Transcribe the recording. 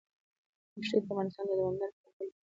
دښتې د افغانستان د دوامداره پرمختګ لپاره اړین دي.